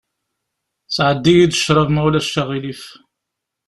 Sɛeddi-yi-d cṛab, ma ulac aɣilif.